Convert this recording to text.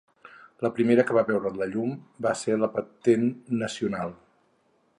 La primera que va veure la llum va ser la patent nacional.